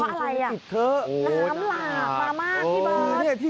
เพราะอะไรอ่ะล้ำหลากมากพี่บร่าด